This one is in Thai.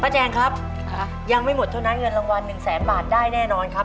แจงครับยังไม่หมดเท่านั้นเงินรางวัลหนึ่งแสนบาทได้แน่นอนครับ